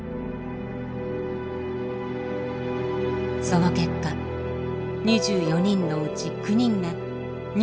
その結果２４人のうち９人が乳がんを発症。